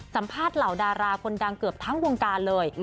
สัมภาษณ์เหล่าดาราคนดังเกือบทั้งวงการเลย